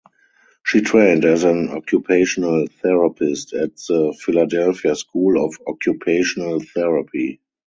She trained as an occupational therapist at the Philadelphia School of Occupational Therapy.